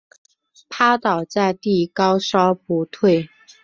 趴倒在地高烧不退